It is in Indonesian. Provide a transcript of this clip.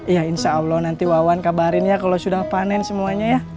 ya insya allah nanti wawan kabarin ya kalau sudah panen semuanya ya